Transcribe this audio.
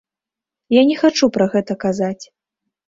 Я не хачу пра гэта казаць.